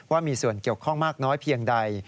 ว่ามีส่วนเกี่ยวข้องมากน้อยเพียงใด